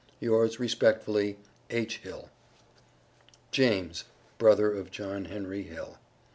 Yours Respectfully H HILL. JAMES (BROTHER OF JOHN HENRY HILL).